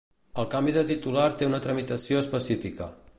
El canvi de titular té una tramitació específica.